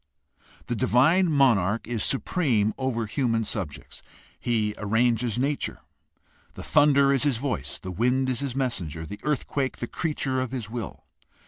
The divine monarch is supreme over human subjects. He arranges nature. The thunder is his voice, the wind his messenger, the earthquake the creature of his will.